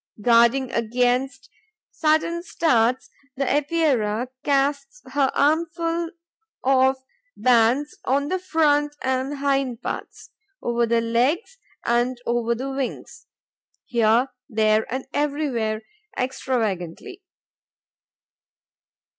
Guarding against sudden starts, the Epeira casts her armfuls of bands on the front and hind parts, over the legs and over the wings, here, there and everywhere, extravagantly.